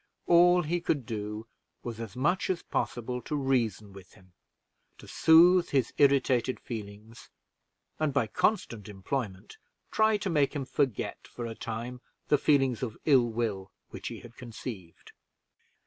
All he could do was, as much as possible to reason with him, to soothe his irritated feelings, and by constant employment try to make him forget for a time the feelings of ill will which he had conceived.